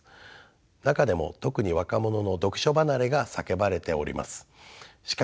中でも特に若者の読書離れが叫ばれております。